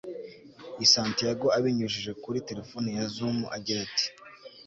i Santiago abinyujije kuri telefoni ya Zoom agira ati